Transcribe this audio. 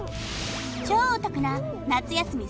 超お得な夏休み